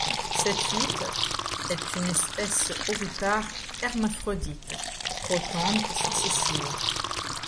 Cette huître est une espèce ovipare hermaphrodite protandre successive.